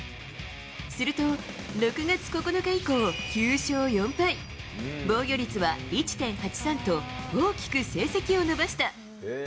すると、６月９日以降、９勝４敗、防御率は１．８３と、大きく成績を伸ばした。